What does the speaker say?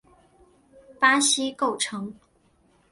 巴西构成。